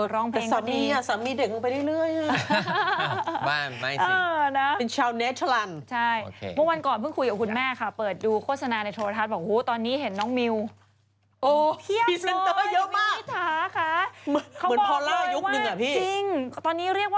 ร้องเพลงสามีสามีเด็กลงไปเรื่อย